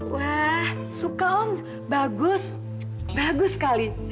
wah suka om bagus bagus sekali